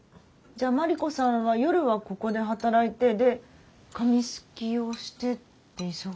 じゃあ真理子さんは夜はここで働いてで紙すきをしてって忙しいですね。